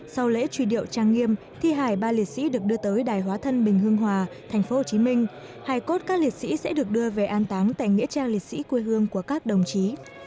sau lễ truy điệu trang nghiêm thi hải ba liệt sĩ được đưa tới đài hóa thân bình hương hòa tp hcm hai cốt các liệt sĩ sẽ được đưa về an táng tại nghĩa trang liệt sĩ quê hương của các đồng chí